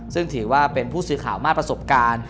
ซึ่งถือว่าเป็นผู้สื่อข่าวมากประสบการณ์